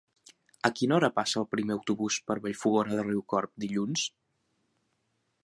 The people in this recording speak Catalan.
A quina hora passa el primer autobús per Vallfogona de Riucorb dilluns?